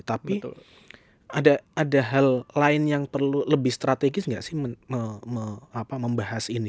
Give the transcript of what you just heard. tapi ada hal lain yang perlu lebih strategis nggak sih membahas ini